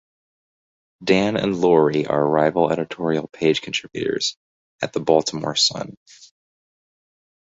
Dan and Lorie are rival editorial page contributors at the "Baltimore Sun".